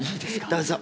どうぞ。